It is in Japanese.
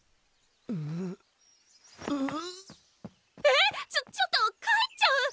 えっちょっちょっと帰っちゃう！？